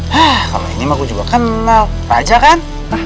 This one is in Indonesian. hah kalo ini mah gua juga kenal raja kan